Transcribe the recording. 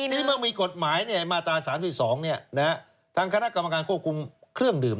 ทีนี้เมื่อมีกฎหมายมาตรา๓๒ทางคณะกรรมการควบคุมเครื่องดื่ม